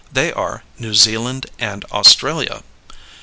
They are New Zealand and Australia.